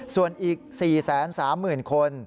ส่วนอีก๔๓๐๐๐คน